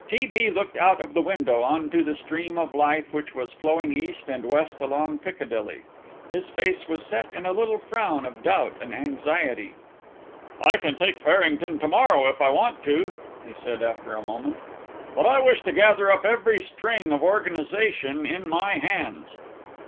T. B. looked out of the window on to the stream of life which was flowing east and west along Piccadilly; his face was set in a little frown of doubt and anxiety. "I can take Farrington to morrow if I want to," he said after a moment, "but I wish to gather up every string of organization in my hands."